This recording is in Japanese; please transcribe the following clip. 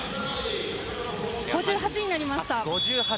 ５８になりました。